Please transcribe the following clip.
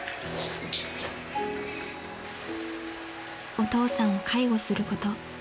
［お父さんを介護すること］